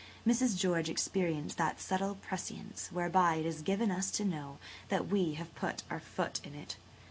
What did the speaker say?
Mrs. George experienced that subtle prescience whereby it is given us to know that we have put our foot in it.